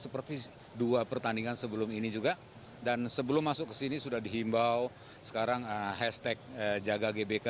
pertanyaan dari stadion gbk